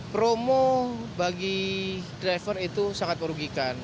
promo bagi driver itu sangat merugikan